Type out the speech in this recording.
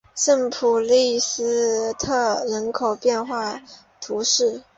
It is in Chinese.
圣普列斯特人口变化图示